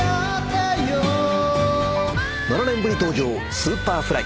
７年ぶり登場Ｓｕｐｅｒｆｌｙ。